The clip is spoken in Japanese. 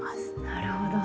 なるほど。